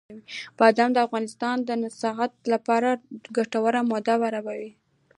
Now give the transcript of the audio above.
بادام د افغانستان د صنعت لپاره ګټور مواد برابروي.